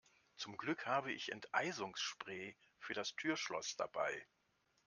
Zum Glück habe ich Enteisungsspray für das Türschloss dabei.